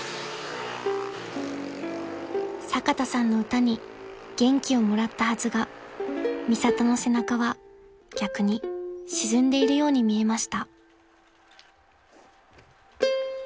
［坂田さんの歌に元気をもらったはずがミサトの背中は逆に沈んでいるように見えました］